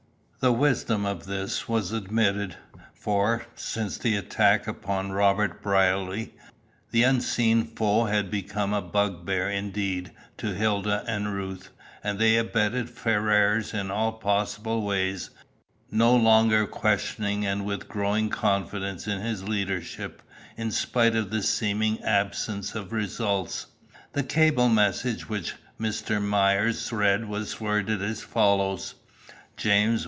The wisdom of this was admitted, for, since the attack upon Robert Brierly, the unseen foe had become a bugbear indeed to Hilda and Ruth; and they abetted Ferrars in all possible ways, no longer questioning and with growing confidence in his leadership, in spite of the seeming absence of results. The cable message which Mr. Myers read was worded as follows: "Jas.